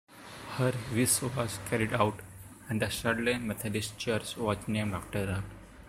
Her wish was carried out and the Shirley Methodist Church was named after her.